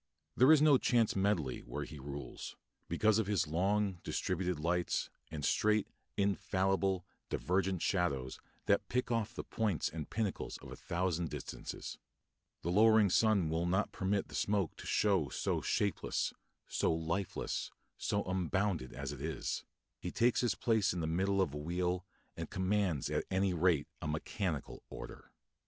There is no chance medley where he rules, because of his long, distributed lights, and straight, infallible, divergent shadows that pick off the points and pinnacles of a thousand distances. The lowering sun will not permit the smoke to show so shapeless, so lifeless, so unbounded as it is; he takes his place in the middle of a wheel, and commands at any rate a mechanical order.